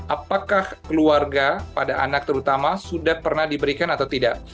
apakah keluarga pada anak terutama sudah pernah diberikan atau tidak